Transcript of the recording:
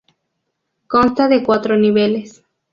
Consta de cuatro niveles.